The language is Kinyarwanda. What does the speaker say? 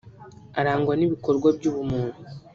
Arangwa n’ibikorwa by’ubumuntu